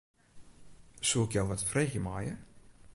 Soe ik jo wat freegje meie?